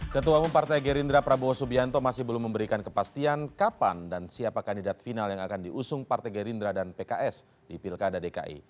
ketua umum partai gerindra prabowo subianto masih belum memberikan kepastian kapan dan siapa kandidat final yang akan diusung partai gerindra dan pks di pilkada dki